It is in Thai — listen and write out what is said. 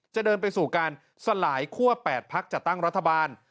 จะเดินไปสู่การสลายคั่ว๘พักจัดตั้งรัฐบาล